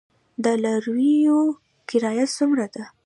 د لاریو کرایه څومره ده؟